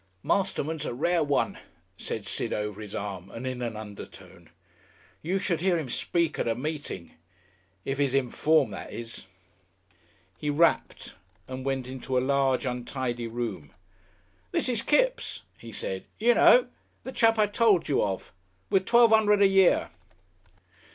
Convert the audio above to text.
"Masterman's a rare one," said Sid over his arm and in an undertone. "You should hear him speak at a meeting.... If he's in form, that is." He rapped and went into a large, untidy room. "This is Kipps," he said. "You know. The chap I told you of. With twelve 'undred a year."